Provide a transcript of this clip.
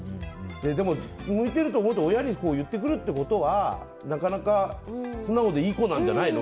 でも、何が向いてると思うって親に聞いてくるということはなかなか素直でいい子なんじゃないの？